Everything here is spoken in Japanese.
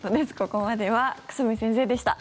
ここまでは久住先生でした。